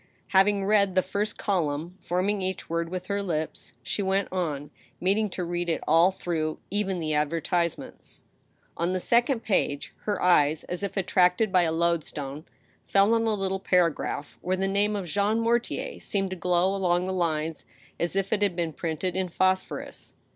Hav ing read the first column, forming each word with her lips, she went on, meaning to read it all through, even the advertisements. On the second page, her eyes, as if attracted by a loadstone, fell on a little paragraph where the name of Jean Mortier seemed to glow along the lines as if it had been printed in phosphorus.